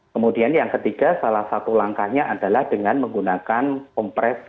kemudian yang ketiga salah satu langkahnya adalah dengan menggunakan kompres